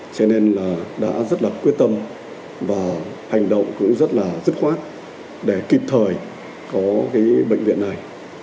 cho nên là đã rất là quyết tâm và hành động cũng rất là dứt khoát để kịp thời có cái bệnh viện này